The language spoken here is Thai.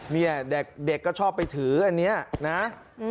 เนี่ยเด็กก็ชอบไปถืออันนี้นะ